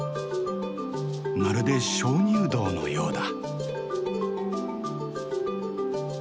まるで鍾乳洞のようだ。